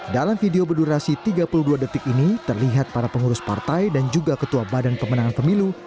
dalam video berdurasi tiga puluh dua detik ini terlihat para pengurus partai dan juga ketua badan pemenangan pemilu